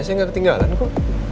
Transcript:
saya gak ketinggalan kok